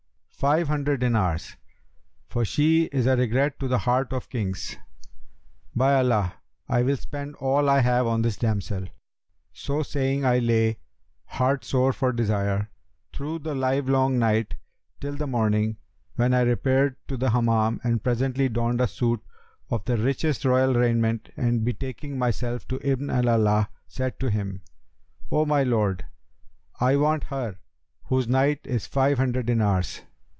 'Five hundred dinars, for she is a regret to the heart of Kings!'[FN#286] 'By Allah, I will spend all I have on this damsel!' So saying I lay, heartsore for desire, through the livelong night till the morning, when I repaired to the Hammam and presently donned a suit of the richest royal raiment and betaking myself to Ibn al Alaa, said to him, 'O my lord, I want her whose night is five hundred dinars.'